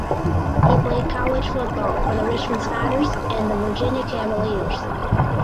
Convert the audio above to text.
He played college football for the Richmond Spiders and the Virginia Cavaliers.